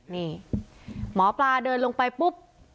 นี่หมอปลาเดินลงไปปุ๊บ